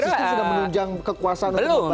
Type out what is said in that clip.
ekosistem sudah menunjang kekuasaan atau bantuan